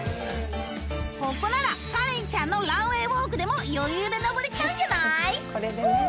ここならカレンちゃんのランウェイウォークでも余裕で登れちゃうんじゃない？